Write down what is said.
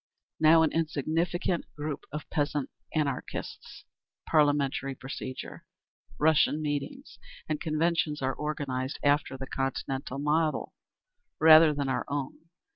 Now an insignificant group of peasant anarchists. Parliamentary Procedure Russian meetings and conventions are organised after the continental model rather than our own.